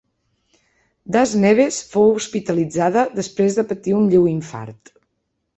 Das Neves fou hospitalitzada després de patir un lleu infart.